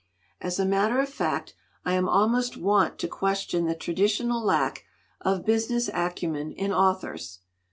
"As a matter of fact, I am almost wont to question the traditional lack of business acumen in authors.